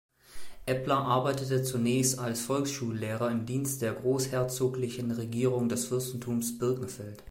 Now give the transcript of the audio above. Eppler arbeitete zunächst als Volksschullehrer im Dienst der Großherzoglichen Regierung des Fürstentums Birkenfeld.